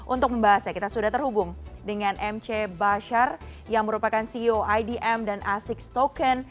untuk membahasnya kita sudah terhubung dengan mc bashar yang merupakan ceo idm dan asik token